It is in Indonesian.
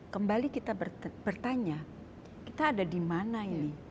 kembali kita bertanya kita ada di mana ini